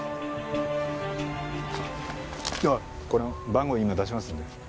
この番号今出しますんで。